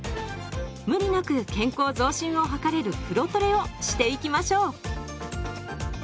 無理なく健康増進を図れる風呂トレをしていきましょう。